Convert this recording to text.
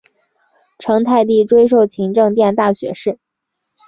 成泰帝追授勤政殿大学士。